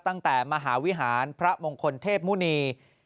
ตั้งแต่มหาวิหารพระมงคลเทพมุณี